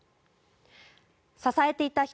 支えていた人